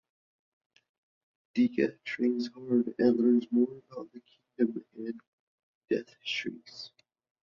Deka trains hard and learns more about the kingdom and Deathshrieks.